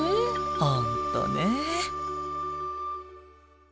本当ね。